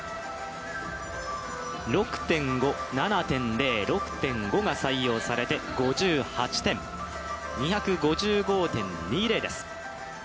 ６．５、７．０、６．５が採用されて５８点。２５５．２０です。